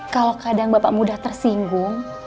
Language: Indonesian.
kalau kadang bapak mudah tersinggung